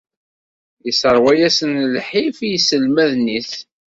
Yesseṛwa-asen lḥif i yiselmaden-is.